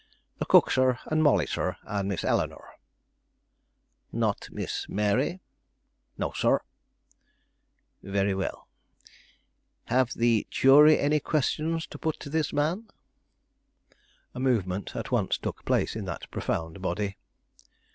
"The cook, sir, and Molly, sir, and Miss Eleanore." "Not Miss Mary?" "No, sir." "Very well. Have the jury any questions to put to this man?" A movement at once took place in that profound body.